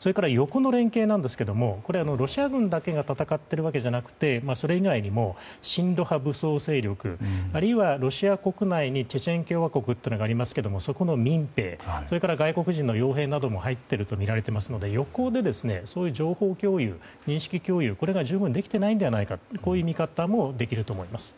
それから横の連携ですがロシア軍だけが戦っているわけではなくてそれ以外にも親露派武装勢力あるいはロシア国内にチェチェン共和国というのがありますけれどもそこの民兵それから外国人の傭兵も入っているとみられていますので横でそういう情報共有や認識共有が十分できていないとこういう見方もできると思います。